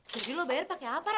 jadi lo bayar pakai apa ra